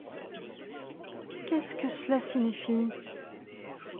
Qu’est-ce que cela signifie ?…